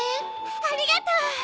ありがとう。